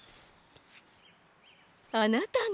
あなたが。